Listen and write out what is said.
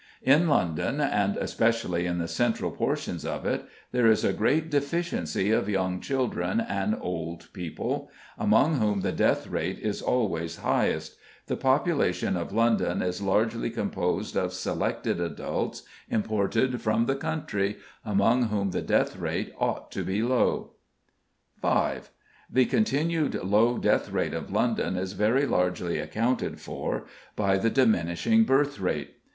In London (and especially in the central portions of it) there is a great deficiency of young children and old people, among whom the death rate is always highest; the population of London is largely composed of selected adults imported from the country, among whom the death rate ought to be low. 5. The continued low death rate of London is very largely accounted for by the diminishing birth rate.